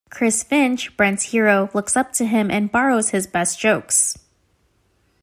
Chris Finch, Brent's hero, looks up to him and "borrows" his best jokes.